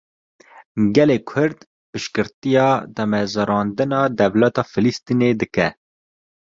Gelê Kurd, piştgiriya damezrandina dewleta Filistînê dike